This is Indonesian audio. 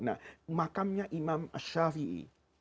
nah makamnya imam ash shafi'i